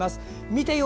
見てよ！